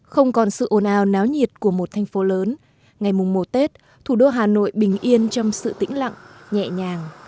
không còn sự ồn ào náo nhiệt của một thành phố lớn ngày mùng mùa tết thủ đô hà nội bình yên trong sự tĩnh lặng nhẹ nhàng